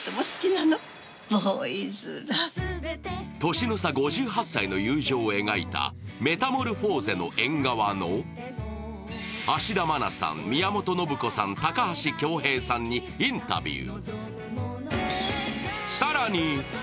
年の差５８歳の友情を描いた「メタモルフォーゼの縁側」の芦田愛菜さん、宮本信子さん、高橋恭平さんにインタビュー。